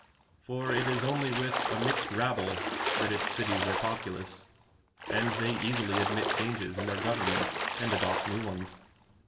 For it is only with a mixed rabl)le that its cities are populous; and they easily admit changes in their government, and adopt new ones.